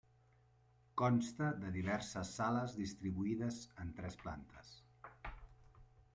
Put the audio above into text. Consta de diverses sales distribuïdes en tres plantes.